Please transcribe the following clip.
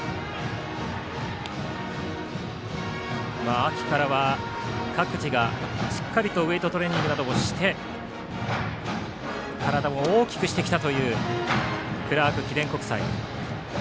秋からは、各自がしっかりとウエイトトレーニングなどをして体を大きくしてきたというクラーク記念国際。